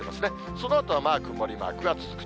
そのあとはまだ曇りマークが続く。